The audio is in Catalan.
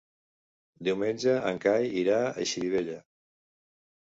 Diumenge en Cai irà a Xirivella.